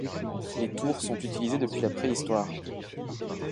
Les tours sont utilisées depuis la préhistoire.